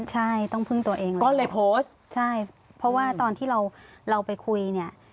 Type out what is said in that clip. ใช่ต้องพึ่งตัวเองก่อนก็เลยโพสต์ใช่เพราะว่าตอนที่เราเราไปคุยเนี่ย